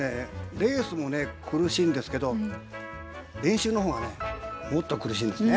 レースもね苦しいんですけど練習の方がねもっと苦しいんですね。